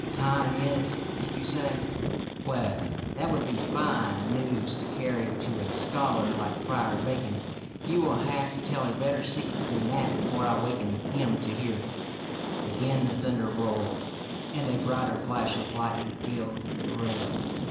"' Time is,' did you say ? Well, that would be fine news to carry to a scholar like Friar Bacon. You will have to tell a better secret than that before I waken him to hear it." Again the thunder rolled, and a brighter flash of lightning filled the room.